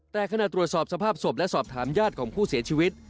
แต่ขณะตรวจสอบสภาพศพและสอบถามญาติของผู้เสียชีวิต